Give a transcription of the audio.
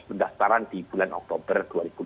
pendaftaran di bulan oktober dua ribu dua puluh